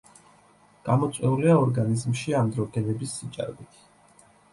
გამოწვეულია ორგანიზმში ანდროგენების სიჭარბით.